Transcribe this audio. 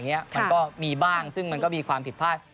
มันก็มีบ้างซึ่งมันก็มีความผิดพลาด